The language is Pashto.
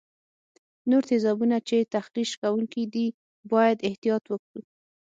نور تیزابونه چې تخریش کوونکي دي باید احتیاط وکړو.